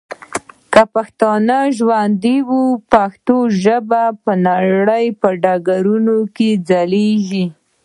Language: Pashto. که پښتانه ژوندي وه ، پښتو ژبه به په نړیوال ډګر کي ځلیږي.